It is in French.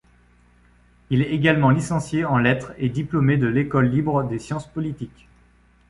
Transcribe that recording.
Il est également licencié en lettres et diplômé de l’École libre des sciences politiques.